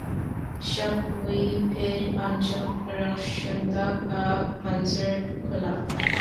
شب ہوئی پھر انجم رخشندہ کا منظر کھلا